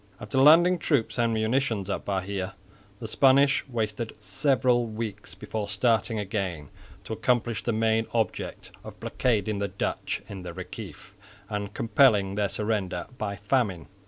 After landing troops and munitions at Bahia, the Spaniards wasted several weeks before starting again to accomplish the main object of blockading the Dutch in the Reciff and compelling their surrender by famine.